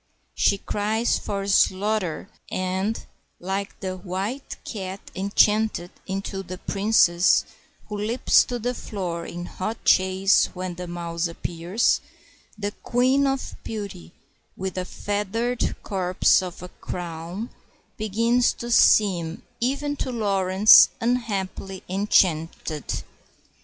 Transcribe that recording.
She cries for "slarter," and, like the white cat enchanted into the Princess, who leaps to the floor in hot chase when the mouse appears, the Queen of Beauty, with a feathered corpse for a crown, begins to seem even to Laurence unhappily enchanted.